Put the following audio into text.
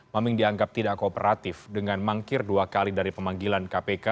maming dianggap tidak kooperatif dengan mangkir dua kali dari pemanggilan kpk